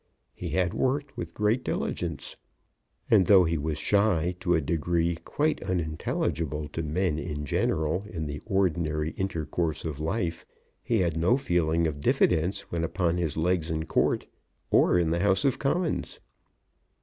He had worked with great diligence; and though he was shy to a degree quite unintelligible to men in general in the ordinary intercourse of life, he had no feeling of diffidence when upon his legs in Court or in the House of Commons.